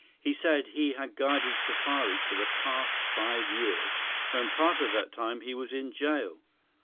He said he had guided safaris for the past five years, when part of that time he was in jail.